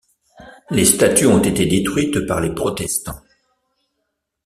Les statues ont été détruites par les protestants.